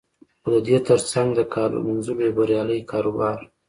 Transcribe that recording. خو د دې تر څنګ د کالو مینځلو یو بریالی کاروبار